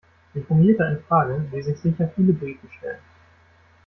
Sie formulierte eine Frage, die sich sicher viele Briten stellen.